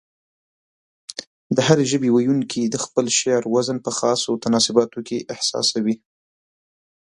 د هرې ژبې ويونکي د خپل شعر وزن په خاصو تناسباتو کې احساسوي.